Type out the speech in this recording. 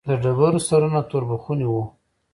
د ډبرو سرونه توربخوني وو.